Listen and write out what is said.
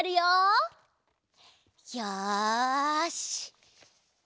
よし。